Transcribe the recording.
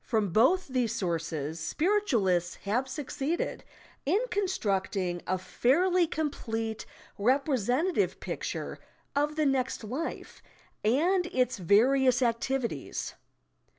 Prom both these sources spiritualists have succeeded in constructing a fairly complete representative picture of the next life and its various activities.